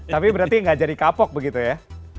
tapi berarti nggak jadi kapok begitu ya